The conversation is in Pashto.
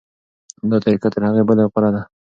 دا طریقه تر هغې بلې غوره ده.